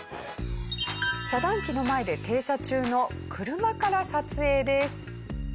遮断機の前で停車中の車から撮影です。